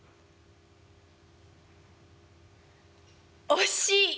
「惜しい。